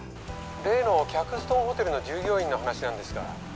例のキャクストンホテルの従業員の話なんですが。